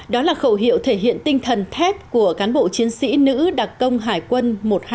đó là khẩu hiệu thể hiện tinh thần thép của cán bộ chiến sĩ nữ đặc công hải quân một trăm hai mươi